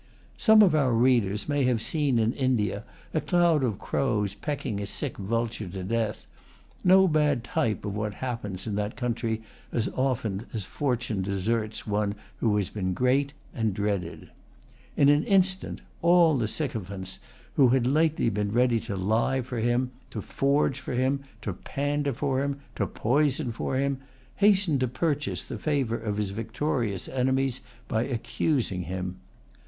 Some of our readers may have seen, in India, a cloud of crows pecking a sick vulture to death, no bad type of what happens in that country as often as fortune deserts one who has been great and dreaded. In an instant, all the sycophants who had lately been ready to lie for him, to forge for him, to pander for him, to poison for him, hasten to purchase the favor of his victorious enemies by accusing him.